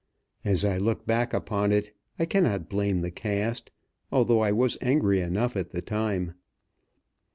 As I look back upon it, I cannot blame the cast, although I was angry enough at the time.